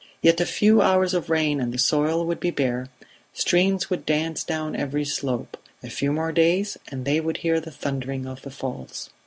Yet a few hours of rain and the soil would be bare, streams would dance down every slope; a few more days and they would hear the thundering of the falls.